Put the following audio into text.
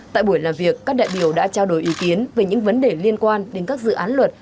tại buổi làm việc các đại biểu đã trao đổi ý kiến về những vấn đề liên quan đến các dự án luật